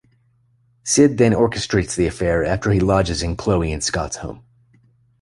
Syd then orchestrates the affair after he lodges in Chloe and Scott's home.